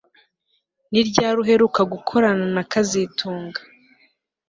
Ni ryari uheruka gukorana na kazitunga